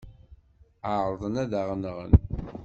Ɛerḍen ad aɣ-nɣen.